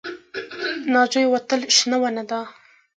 ناجو یوه تل شنه ونه ده